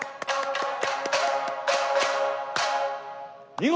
見事！